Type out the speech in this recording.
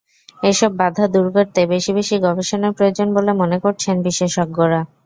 এসব বাধা দূর করতে বেশি বেশি গবেষণার প্রয়োজন বলে মনে করছেন বিশেষজ্ঞরা।